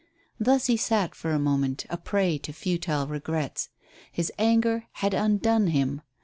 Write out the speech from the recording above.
Thus he sat for a moment a prey to futile regrets. His anger had undone him.